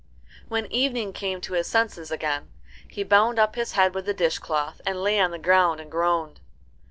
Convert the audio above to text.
] When Evening came to his senses again, he bound up his head with a dishcloth, and lay on the ground and groaned.